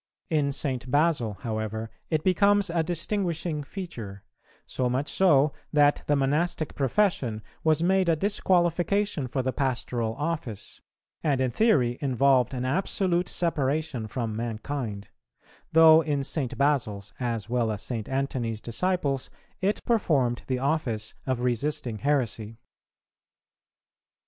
In St. Basil, however, it becomes a distinguishing feature; so much so that the monastic profession was made a disqualification for the pastoral office,[396:1] and in theory involved an absolute separation from mankind; though in St. Basil's, as well as St. Antony's disciples, it performed the office of resisting heresy.